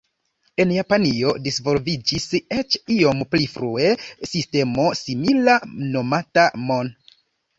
En Japanio disvolviĝis, eĉ iom pli frue, sistemo simila nomata "mon".